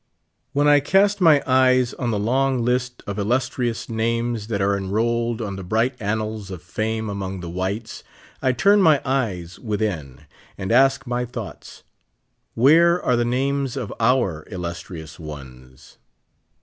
When I cast ray eyes on the long list of illustrious names that are enrolled on the bright annals of fame among the whites, I turn ray eyes within and ask my thoughts, "Where are the names of our illus trious ones